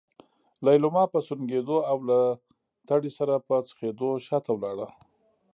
ليلما په سونګېدو او له تړې سره په څخېدو شاته لاړه.